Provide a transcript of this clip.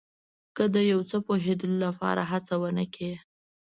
که د یو څه پوهېدلو لپاره هڅه ونه کړئ.